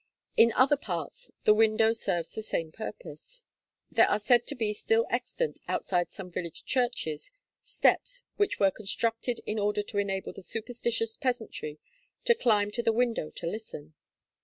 In other parts, the window serves the same purpose. There are said to be still extant, outside some village churches, steps which were constructed in order to enable the superstitious peasantry to climb to the window to listen.